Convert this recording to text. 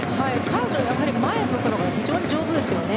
彼女、前を向くのが非常に上手ですよね。